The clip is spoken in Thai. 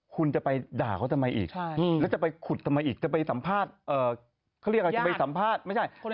คุณจะไปด่าเขาทำไมอีกแล้วจะไปขุดทำไมอีกจะไปสัมภาษณ์เขาเรียกอะไรจะไปสัมภาษณ์ไม่ใช่